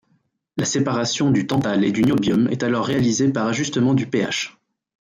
La séparation du tantale et du niobium est alors réalisée par ajustement du pH.